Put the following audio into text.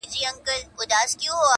• لا یې نه وو د آرام نفس ایستلی -